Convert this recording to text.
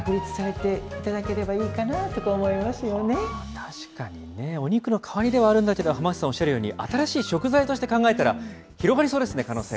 確かにね、お肉の代わりではあるんだけど、浜内さんおっしゃるように、新しい食材として考えたら広がりそうですね、可能性が。